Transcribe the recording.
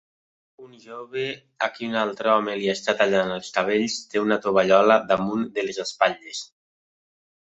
Un jove a qui un altre home li està tallant els cabells té una tovallola damunt de les espatlles.